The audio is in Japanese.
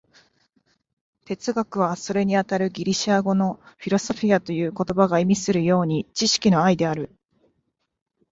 哲学は、それにあたるギリシア語の「フィロソフィア」という言葉が意味するように、知識の愛である。